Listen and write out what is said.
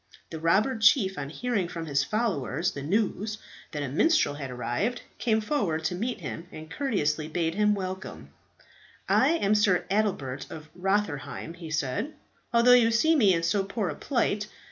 The robber chief on hearing from his followers the news that a minstrel had arrived, came forward to meet him, and courteously bade him welcome. "I am Sir Adelbert, of Rotherheim," he said, "although you see me in so poor a plight.